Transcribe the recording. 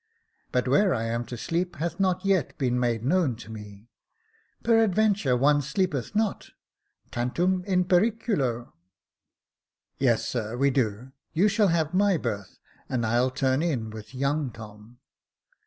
But where I am to sleep hath not yet been made known to me. Peradventure one sleepeth not —' tantum in periculoJ' " Jacob Faithful 97 " Yes, sir, we do. You shall have my berth, and I'll turn in with young Tom."